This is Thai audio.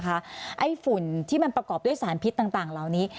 ไอ้ฝุ่นที่มันประกอบด้วยสารพิษต่างเหล่านี้